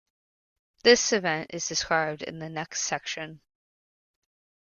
This event is described in the next section.